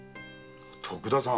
徳田さん？